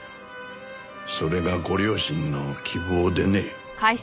それがご両親の希望でね。